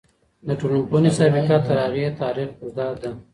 د ټولنپوهنې سابقه تر هغې تاريخ اوږده ده.